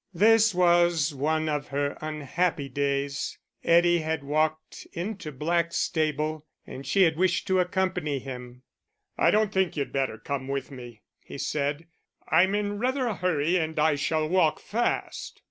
This was one of her unhappy days Eddie had walked into Blackstable, and she had wished to accompany him. "I don't think you'd better come with me," he said. "I'm in rather a hurry and I shall walk fast."